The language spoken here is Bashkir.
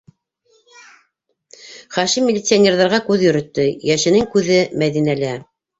Хашим милиционерҙарға күҙ йөрөттө: йәшенең күҙе - Мәҙинәлә.